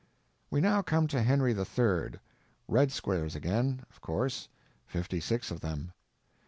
We now come to Henry III.; _red _squares again, of course—fifty six of them.